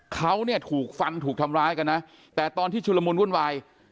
เขาเนี่ยถูกฟันถูกทำร้ายกันนะแต่ตอนที่ชุลมุนวุ่นวาย